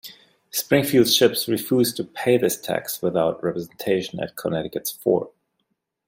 Springfield's ships refused to pay this tax without representation at Connecticut's fort.